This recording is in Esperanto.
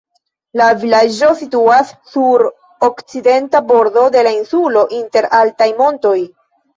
La vilaĝo situas sur okcidenta bordo de la insulo, inter altaj montoj.